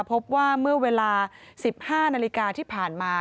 พบว่าเมื่อเวลา๑๕นาฬิกาที่ผ่านมา